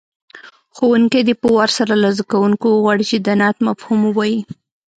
ښوونکی دې په وار سره له زده کوونکو وغواړي چې د نعت مفهوم ووایي.